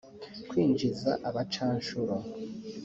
kwinjiza abacanshuro